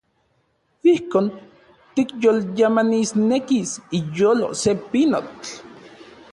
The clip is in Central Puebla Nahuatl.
Ijkon tikyolyamanisnekis iyolo se pinotl.